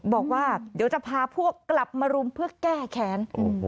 บอกว่าเดี๋ยวจะพาพวกกลับมารุมเพื่อแก้แค้น